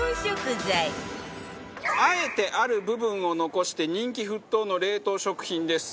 バカリズム：あえてある部分を残して人気沸騰の冷凍食品です。